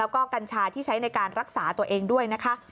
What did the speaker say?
แล้วก็กัญชาที่ใช้ในการรักษาตัวเองด้วยนะคะ